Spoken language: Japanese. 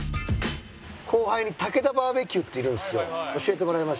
後輩にたけだバーベキューっているんですよ。